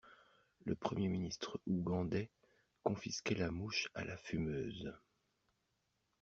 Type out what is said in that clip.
Le premier ministre ougandais confisquait la mouche à la fumeuse.